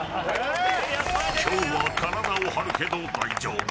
今日は体を張るけど大丈夫。